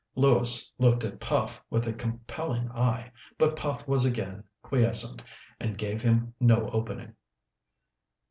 Lewis looked at Puff with a compelling eye, but Puff was again quiescent, and gave him no opening.